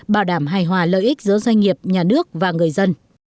bảo đảm hài hòa lợi ích giữa doanh nghiệp nhà nước và người dân